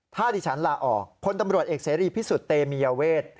ถ้าดิฉันลาออกพลตำรวจเอกเสรีพิสุทธิ์เตมียเวท